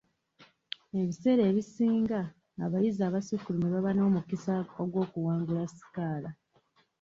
Ebiseera ebisinga, abayizi abasukkulumye baba n'omukisa ogw'okuwangula sikaala.